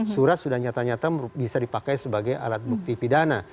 surat sudah nyata nyata bisa dipakai sebagai alat bukti pidana